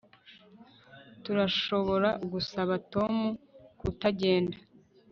Turashobora gusaba Tom kutagenda